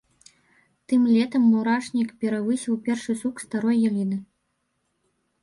Тым летам мурашнік перавысіў першы сук старой яліны.